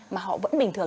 mà họ vẫn bình thường